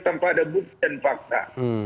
tanpa ada bukti dan fakta